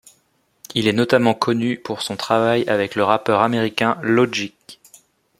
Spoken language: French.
Il est notamment connu pour son travail avec le rappeur américain Logic.